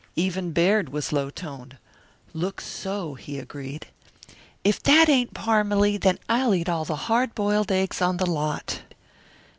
Even Baird was low toned. "Looks so," he agreed. "If that ain't Parmalee then I'll eat all the hard boiled eggs on the lot."